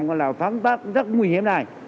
gọi là phán tác rất nguy hiểm này